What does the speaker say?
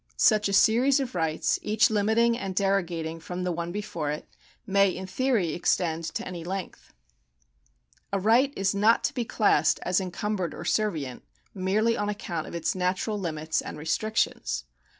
Such a series of rights, each limiting and derogating from the one before it, may in theory extend to any length. A right is not to be classed as encumbered or servient, merely on account of its natural limits and restrictions.